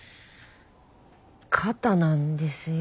過多なんですよ。